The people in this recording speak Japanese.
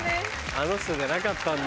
あの人じゃなかったんだ。